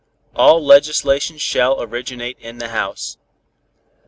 All legislation shall originate in the House.